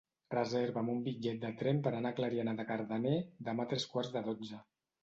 Reserva'm un bitllet de tren per anar a Clariana de Cardener demà a tres quarts de dotze.